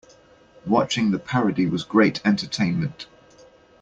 Watching the parody was great entertainment.